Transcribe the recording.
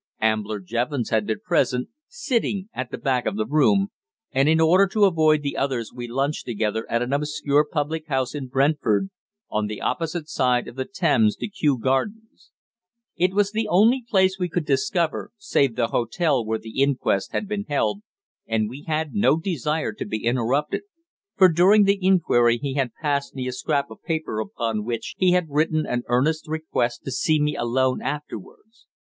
Ambler Jevons had been present, sitting at the back of the room, and in order to avoid the others we lunched together at an obscure public house in Brentford, on the opposite side of the Thames to Kew Gardens. It was the only place we could discover, save the hotel where the inquest had been held, and we had no desire to be interrupted, for during the inquiry he had passed me a scrap of paper upon which he had written an earnest request to see me alone afterwards.